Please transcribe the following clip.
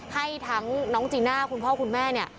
ให้ทั้งน้องจีน่าคุณพ่อคุณแม่เนี่ย